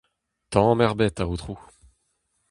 Tamm ebet, Aotrou !